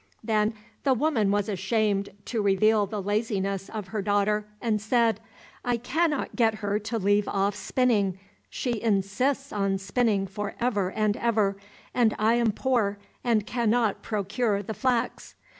Then the woman was ashamed to reveal the laziness of her daughter and said, "I cannot get her to leave off spinning. She insists on spinning for ever and ever, and I am poor, and cannot procure the flax."